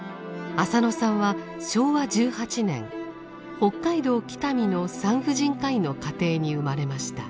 浅野さんは昭和１８年北海道北見の産婦人科医の家庭に生まれました。